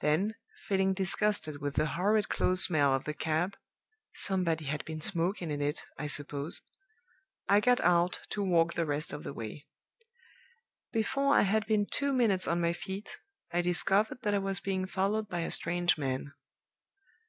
Then, feeling disgusted with the horrid close smell of the cab (somebody had been smoking in it, I suppose), I got out to walk the rest of the way. Before I had been two minutes on my feet, I discovered that I was being followed by a strange man.